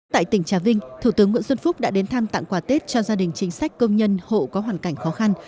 tại tỉnh trà vinh thủ tướng nguyễn xuân phúc đã đến thăm tặng quà tết cho gia đình chính sách công nhân hộ có hoàn cảnh khó khăn